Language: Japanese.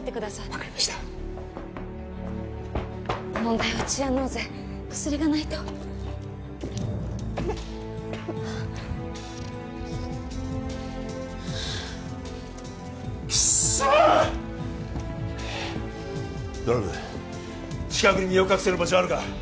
分かりました問題はチアノーゼ薬がないとはあクッソー！ドラム近くに身を隠せる場所あるか？